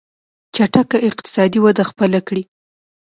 چټکه اقتصادي وده خپله کړي.